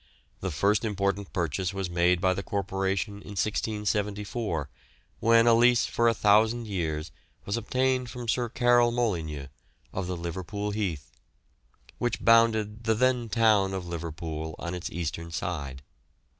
The first important purchase was made by the Corporation in 1674, when a lease for 1,000 years was obtained from Sir Caryl Molyneux, of the Liverpool Heath, which bounded the then town of Liverpool on its eastern side.